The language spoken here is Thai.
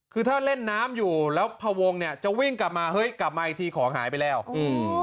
คือถ้าเล่นน้ำอยู่แล้วพวงเนี่ยจะวิ่งกลับมาเฮ้ยกลับมาอีกทีของหายไปแล้วอืม